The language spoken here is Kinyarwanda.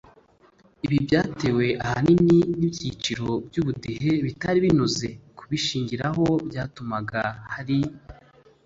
ibi byatewe ahanini n ibyiciro by ubudehe bitari binoze kubishingiraho byatumaga hari